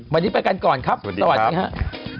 มาทิศไปกันก่อนครับสวัสดีครับสวัสดีครับ